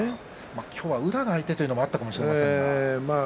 今日は宇良が相手ということもあったかもしれませんが。